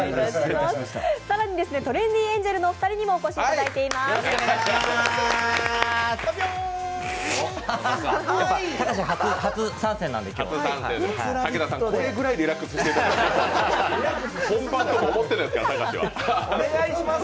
更にトレンディエンジェルのお二人にもお越しいただいています。